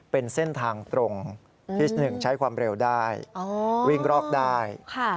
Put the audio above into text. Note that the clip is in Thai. เป็นเส้นทางตรงที่๑ใช้ความเร็วได้วิ่งรอกได้